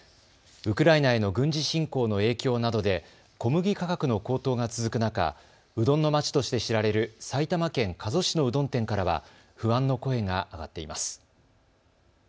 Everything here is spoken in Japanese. ウクライナへの軍事侵攻の影響などで小麦価格の高騰が続く中、うどんのまちとして知られる埼玉県加須市のうどん店からは不安の声が上がっています。